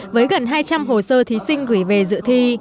với gần hai trăm linh hồ sơ thí sinh gửi về dự thi